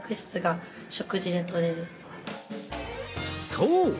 そう！